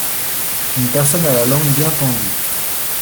Une personne à la langue bien pendue.